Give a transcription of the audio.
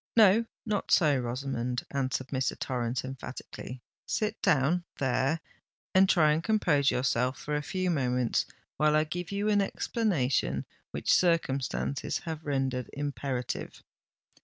"No—not so, Rosamond," answered Mr. Torrens emphatically. "Sit down—there—and try and compose yourself for a few moments, while I give you an explanation which circumstances have rendered imperative."